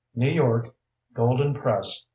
_ New York: Golden Press, 1985.